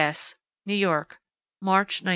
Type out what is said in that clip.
S. NEW YORK, March, 1921.